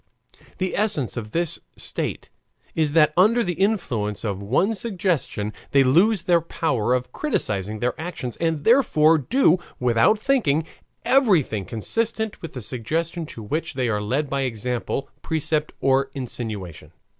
The essence of this state is that under the influence of one suggestion they lose the power of criticising their actions, and therefore do, without thinking, everything consistent with the suggestion to which they are led by example, precept, or insinuation.